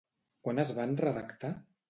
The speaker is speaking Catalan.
Quan es van redactar?